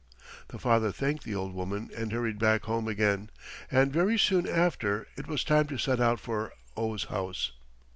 The father thanked the old woman and hurried back home again, and very soon after it was time to set out for Oh's house.